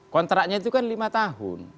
kontraknya itu kan lima tahun